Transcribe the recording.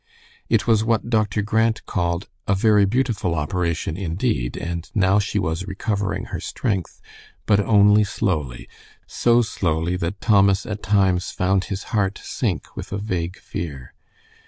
It was what Dr. Grant called "a very beautiful operation, indeed," and now she was recovering her strength, but only slowly, so slowly that Thomas at times found his heart sink with a vague fear.